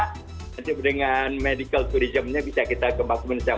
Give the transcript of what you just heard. jadi dengan medical turismnya bisa kita kembangkan bersama